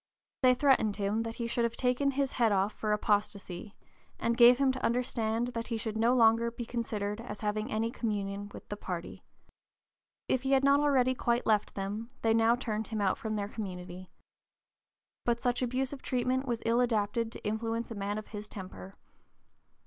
They threatened him that he should "have his head taken off for apostasy," and gave him to understand that he "should no longer be considered as having any communion with the party." If he had not already quite left them, they now turned him out from their community. But such abusive treatment was ill adapted to influence a man of his temper.